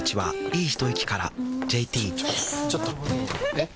えっ⁉